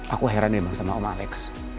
aku heran emang sama om alex